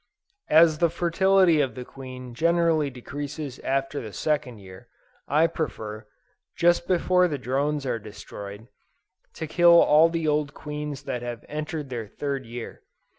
As the fertility of the queen generally decreases after the second year, I prefer, just before the drones are destroyed, to kill all the old queens that have entered their third year.